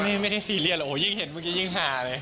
ไม่ได้ซีเรียสโอ้โหยิ่งเห็นเมื่อกี้ยิ่งหาเลย